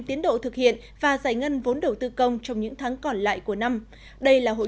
tiến độ thực hiện và giải ngân vốn đầu tư công trong những tháng còn lại của năm đây là hội